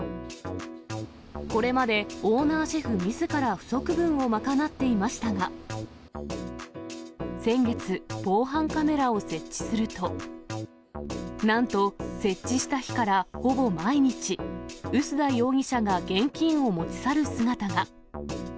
これまでオーナーシェフみずから不足分を賄っていましたが、先月、防犯カメラを設置すると、なんと、設置した日からほぼ毎日、臼田容疑者が現金を持ち去る姿が。